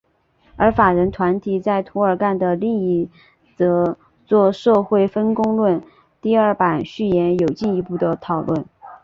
而法人团体在涂尔干的另一着作社会分工论第二版序言有进一步的讨论。